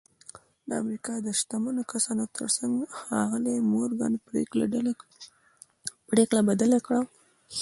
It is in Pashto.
د امریکا د شتمنو کسانو ترڅنګ ښاغلي مورګان پرېکړه بدله کړه